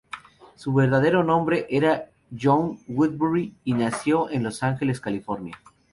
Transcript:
Su verdadero nombre era Joanne Woodbury, y nació en Los Ángeles, California.